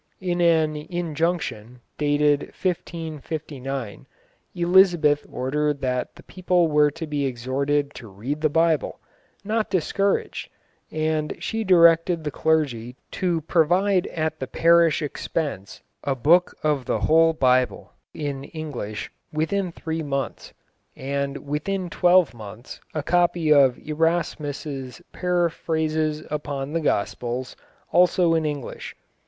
In an Injunction, dated 1559, Elizabeth ordered that the people were to be exhorted to read the Bible, not discouraged, and she directed the clergy to provide at the parish expense a book of the whole Bible in English within three months, and within twelve months a copy of Erasmus' Paraphrases upon the Gospels, also in English.